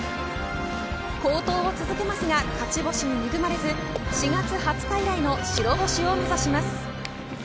好投を続けますが勝ち星に恵まれず４月２０日以来の白星を目指します。